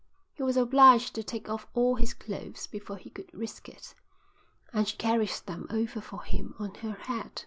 He was obliged to take off all his clothes before he could risk it, and she carried them over for him on her head.